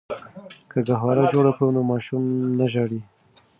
که ګهواره جوړه کړو نو ماشوم نه ژاړي.